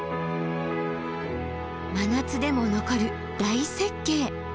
真夏でも残る大雪渓！